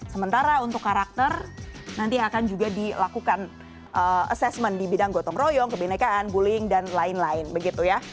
sementara untuk karakter nanti akan juga dilakukan assessment di bidang gotong royong kebenekaan bullying dan lain lain begitu ya